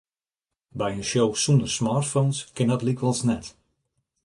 By in show sûnder smartphones kin dat lykwols net.